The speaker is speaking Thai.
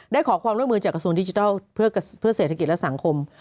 ขอความร่วมมือจากกระทรวงดิจิทัลเพื่อเศรษฐกิจและสังคม